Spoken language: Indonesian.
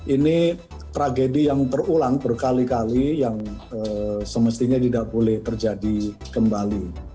ini tragedi yang terulang berkali kali yang semestinya tidak boleh terjadi kembali